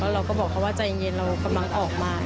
เราก็บอกเขาว่าใจเย็นเรากำลังออกมา